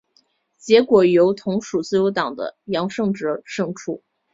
结果由同属自由党的杨哲安胜出。